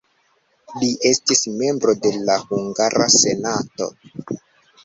Li estis membro de la hungara senato.